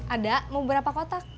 ada mau berapa kotak